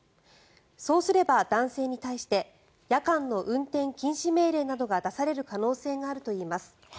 そうすれば男性に対して夜間の運転禁止命令などが出される可能性があるといいます。